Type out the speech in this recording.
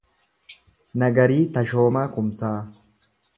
Nagarii Tashoomaa Kumsaa